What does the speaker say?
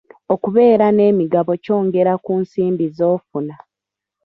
Okubeera n'emigabo kyongera ku nsimbi z'ofuna.